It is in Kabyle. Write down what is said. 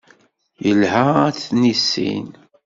Yelha ad t-nissin.